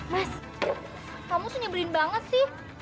mas kamu senyebelin banget sih